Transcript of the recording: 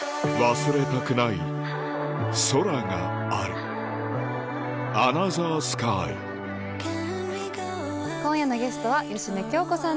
忘れたくない空がある今夜のゲストは芳根京子さんです。